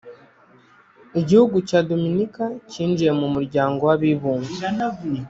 Igihugu cya Dominika cyinjiye mu muryango w’abibumbye